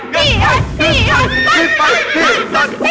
อ้อสู้สู้สู้